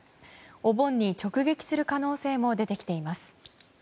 お盆に直撃する可能性も出てきています。